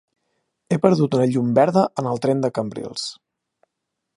He perdut una llum verda en el tren de Cambrils.